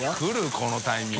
このタイミング。